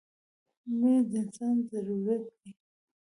• مینه د انسان ضرورت دی.